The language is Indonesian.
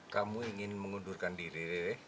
kamu ingin mengundurkan diri